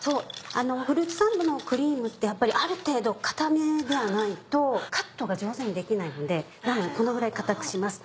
フルーツサンドのクリームってやっぱりある程度固めではないとカットが上手にできないのでこのぐらい固くします。